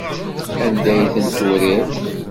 Anda ay tent-turiḍ?